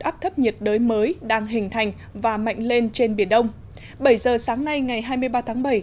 áp thấp nhiệt đới mới đang hình thành và mạnh lên trên biển đông bảy giờ sáng nay ngày hai mươi ba tháng bảy